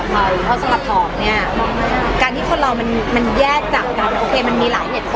เพราะสำหรับผมมีการที่คนเราแยกจากกันมีหลายเหตุผล